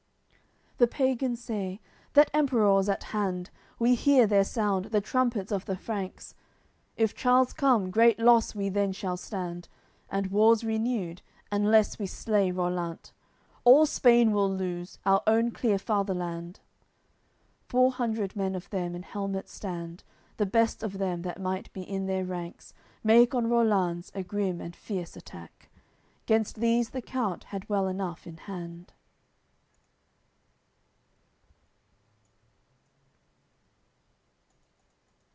AOI. CLVII The pagans say: "That Emperour's at hand, We hear their sound, the trumpets of the Franks; If Charles come, great loss we then shall stand, And wars renewed, unless we slay Rollant; All Spain we'll lose, our own clear father land." Four hundred men of them in helmets stand; The best of them that might be in their ranks Make on Rollanz a grim and fierce attack; Gainst these the count had well enough in hand.